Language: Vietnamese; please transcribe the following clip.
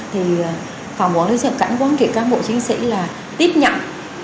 thì phòng quản lý xuất nhập cảnh quan trị các bộ chiến sĩ là tiếp nhận